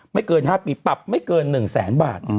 ไม่เกิน๕ปีปรับไม่เกินหนึ่งแสนบาทอือ